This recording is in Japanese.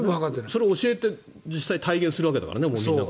それを教えて実際に体現するわけだからね。